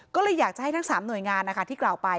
ก็เลยอยากจะให้ทั้ง๓หน่วยงานที่กล่าวไป